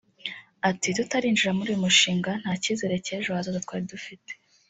Ati “Tutarinjira muri uyu mushinga nta cyizere cy’ejo hazaza twari dufite